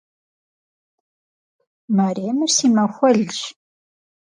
Мэремыр си махуэлщ.